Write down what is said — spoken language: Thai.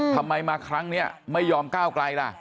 ทำไมมาครั้งนี้ไม่ยอมก้าวไกลล่ะ